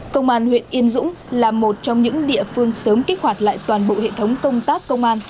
công an huyện yên dũng là một trong những địa phương sớm kích hoạt lại toàn bộ hệ thống công tác công an